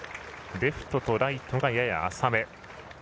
レフトとライトがやや浅め。